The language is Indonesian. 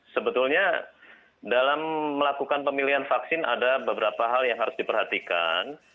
sebetulnya dalam melakukan pemilihan vaksin ada beberapa hal yang harus diperhatikan